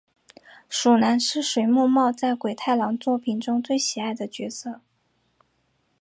鼠男是水木茂在鬼太郎作品中最喜爱的角色。